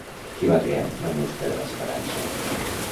Qui va crear la música de la seva dansa?